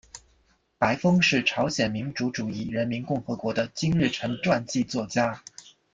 白峰是朝鲜民主主义人民共和国的金日成传记作家。